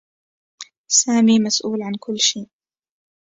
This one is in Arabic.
سامي مسؤول عن كلّ شيء.